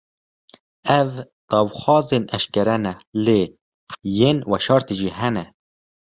Ev, daxwazên eşkere ne; lê yên veşartî jî hene